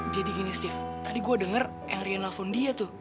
jadi gini steve tadi gue denger yang rian lapon dia tuh